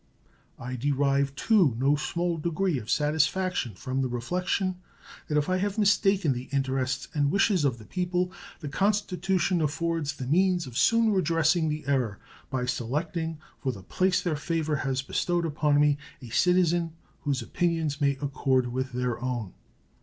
I derive, too, no small degree of satisfaction from the reflection that if I have mistaken the interests and wishes of the people the Constitution affords the means of soon redressing the error by selecting for the place their favor has bestowed upon me a citizen whose opinions may accord with their own.